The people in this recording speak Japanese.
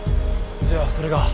じゃあそれが。